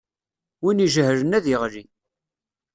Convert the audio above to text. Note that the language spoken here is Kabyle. Win ijehlen ad d-iɣli.